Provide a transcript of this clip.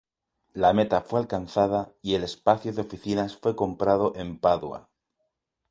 La meta fue alcanzada y el espacio de oficinas fue comprado en Padua.